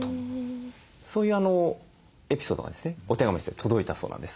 そういうエピソードがですねお手紙として届いたそうなんですね。